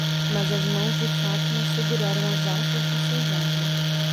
Mas as mãos de Fátima seguraram as alças de seu jarro.